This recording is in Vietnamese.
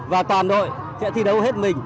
và toàn đội sẽ thi đấu hết mình